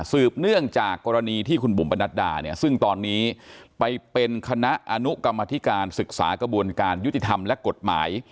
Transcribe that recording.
สืบเนื่องจากกรณีที่คุณบุ๋มปนัดดาเนี่ยซึ่งตอนนี้ไปเป็นคณะอนุกรรมธิการศึกษากระบวนการยุติธรรมและกฎหมาย